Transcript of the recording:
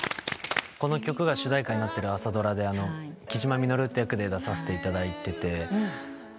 この曲が主題歌になってる朝ドラで雉真稔って役で出させていただいてて。